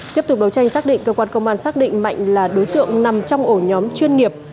tiếp tục đấu tranh xác định cơ quan công an xác định mạnh là đối tượng nằm trong ổ nhóm chuyên nghiệp